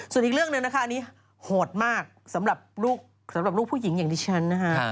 ส่วนอีกเรื่องหนึ่งนะคะอันนี้โหดมากสำหรับลูกผู้หญิงอย่างดิฉันนะคะ